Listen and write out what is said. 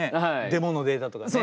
デモのデータとかね。